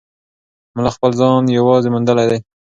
ملا خپل ځان یوازې موندلی دی.